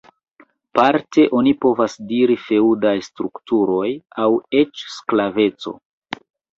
Parte oni povas diri feŭdaj strukturoj aŭ eĉ sklaveco.